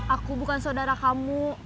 aku bukan saudara kamu